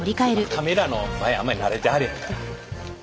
カメラの前あんまり慣れてはれへんから。